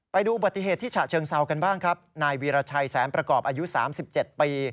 ไปดูอุบัติเหตุที่ฉะเชิงเซากันบ้างครับนายวีรชัยแสนประกอบอายุ๓๗ปี